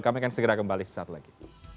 kami akan segera kembali sesaat lagi